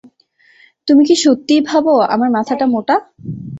তুমি কি সত্যিই ভাবো আমার মাথাটা মোটা?